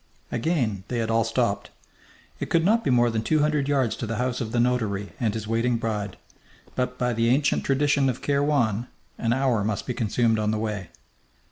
Again they had all stopped. It could not be more than two hundred yards to the house of the notary and his waiting bride, but by the ancient tradition of Kairwan an hour must be consumed on the way.